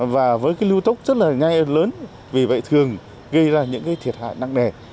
và với lưu tốc rất là nhanh và lớn vì vậy thường gây ra những thiệt hại nặng đè